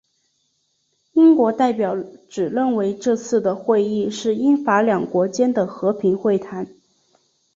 英国代表只认为这次的会议是英法两国间的和平会谈。